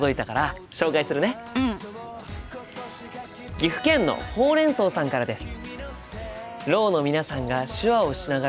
岐阜県のほうれん草さんからです。